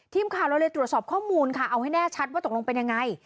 ทีมข่าวเราเลยตรวจสอบข้อมูลค่ะเอาให้แน่ชัดว่าตกลงเป็นยังไง